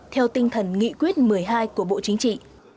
theo tinh thần nghị quyết một mươi hai của bộ chính trị